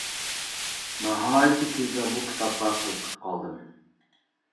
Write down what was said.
ناھايىتى تىزلا بۇ كىتابقا قىزىقىپ قالدىم.